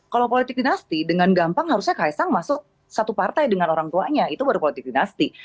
kalau politik dinasti dengan gampang harusnya kaisang masuk satu partai dengan orang tuanya itu baru politik dinasti